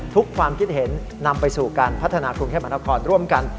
ความคิดเห็นนำไปสู่การพัฒนากรุงเทพมหานครร่วมกัน